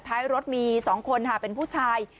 ท้ายรถมี๒คนค่ะเป็นผู้ชาย